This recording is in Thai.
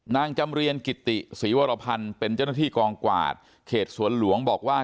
จำเรียนกิติศรีวรพันธ์เป็นเจ้าหน้าที่กองกวาดเขตสวนหลวงบอกว่า